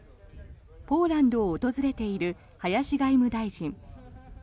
ポーランドを訪れている林外務大臣。